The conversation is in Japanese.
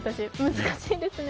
難しいですね。